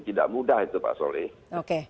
tidak mudah itu pak solly oke